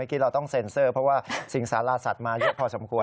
ที่เราต้องเซ็นเซอร์เพราะว่าสิงสาราสัตว์มาเยอะพอสมควร